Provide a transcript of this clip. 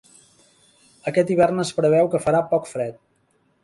Aquest hivern es preveu que farà poc fred.